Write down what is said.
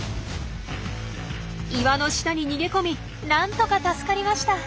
岩の下に逃げ込みなんとか助かりました。